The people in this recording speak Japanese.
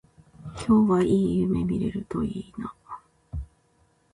今日はいい夢見れるといいな